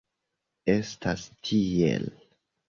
Estas tiel.